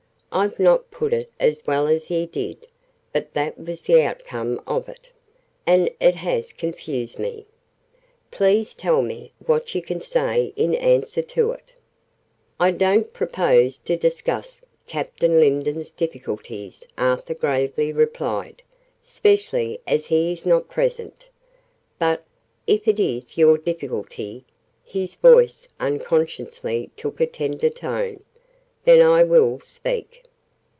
I've not put it as well as he did: but that was the outcome of it, and it has confused me. Please tell me what you can say in answer to it." "I don't propose to discuss Captain Lindon's difficulties," Arthur gravely replied; "specially as he is not present. But, if it is your difficulty," (his voice unconsciously took a tenderer tone) "then I will speak."